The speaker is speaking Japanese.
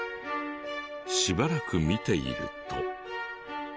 しばらく見ていると。